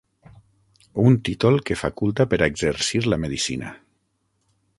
Un títol que faculta per a exercir la medicina.